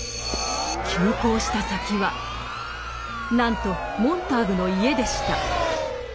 急行した先はなんとモンターグの家でした。